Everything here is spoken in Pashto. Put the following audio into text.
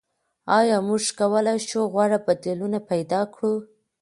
آیا موږ کولای شو غوره بدیلونه پیدا کړو؟